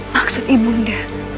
maksud ibu nda